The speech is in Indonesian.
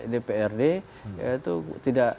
dprd itu tidak